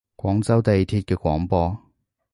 廣州地鐵嘅廣播